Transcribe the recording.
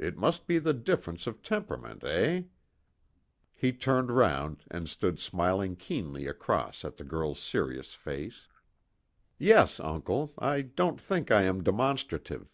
It must be the difference of temperament, eh?" He turned round and stood smiling keenly across at the girl's serious face. "Yes, uncle, I don't think I am demonstrative."